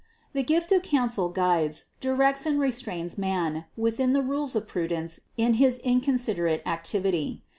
The gift of counsel guides, directs and restrains man within the rules of prudence in his inconsiderate activity.